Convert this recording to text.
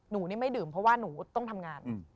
หนูนี่ไม่ดื่มเพราะว่าหนูต้องทำงาน